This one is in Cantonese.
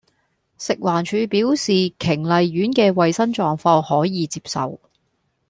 食環署表示瓊麗苑既衛生狀況可以接受